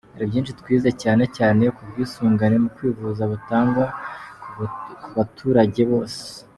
Hari byinshi twize cyane cyane nk’ubwisungane mu kwivuza butangwa ku baturage bose.